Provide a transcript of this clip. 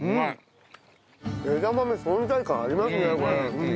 枝豆存在感ありますねこれ。